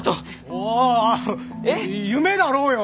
おおお夢だろうよ！